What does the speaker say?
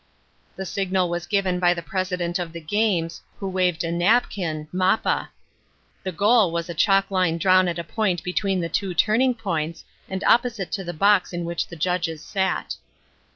The signal was given by the president of the games, who waved a napkin (mappa).* The goal was a chalk line drawn at a point between the two turning points, and opposite to the box in which the judges sat.